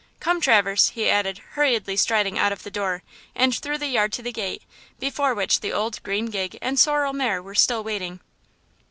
"Come, Traverse," he added, hurriedly striding out of the door and through the yard to the gate, before which the old green gig and sorrel mare were still waiting.